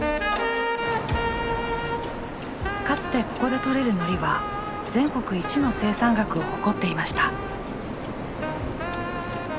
かつてここで採れるのりは全国一の生産額を誇っていました。